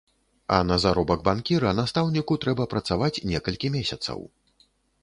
А на заробак банкіра настаўніку трэба працаваць некалькі месяцаў.